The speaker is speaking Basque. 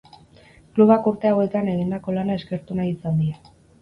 Klubak urte hauetan egindako lana eskertu nahi izan die.